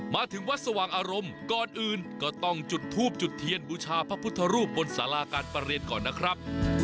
มาถึงวัดสว่างอารมณ์ก่อนอื่นก็ต้องจุดทูบจุดเทียนบูชาพระพุทธรูปบนสาราการประเรียนก่อนนะครับ